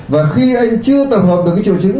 và khi anh chưa tập hợp được cái triệu chứng